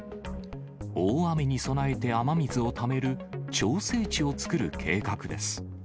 大雨に備えて雨水をためる、調整池を作る計画です。